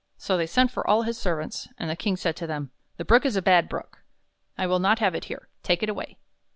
So they sent for all his servants, and the King said to them: "The Brook is a bad brook; I will not have it here. Take it away."